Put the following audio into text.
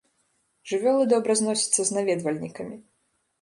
Жывёлы добра зносяцца з наведвальнікамі.